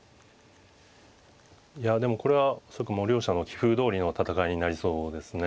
いやでもこれは両者の棋風どおりの戦いになりそうですね。